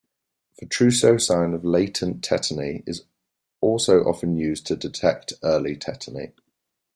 The Trousseau sign of latent tetany is also often used to detect early tetany.